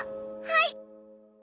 はい！